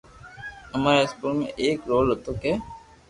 اماري اسڪول مي ايڪ رول ھوتو ڪي